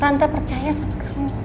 tante percaya sama kamu